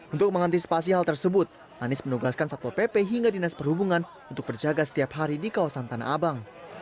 untuk mengantisipasi hal tersebut anies menugaskan satpol pp hingga dinas perhubungan untuk berjaga setiap hari di kawasan tanah abang